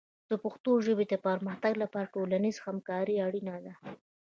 د پښتو ژبې د پرمختګ لپاره ټولنیز همکاري اړینه ده.